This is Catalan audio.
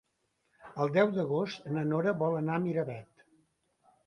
El deu d'agost na Nora vol anar a Miravet.